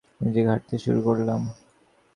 শিয়ালজানি খাল ধরে ধরে উত্তর দিকে হাঁটতে শুরু করলাম।